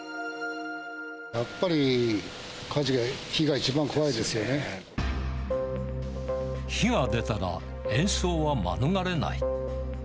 やっぱり火事が、火が出たら、延焼は免れない。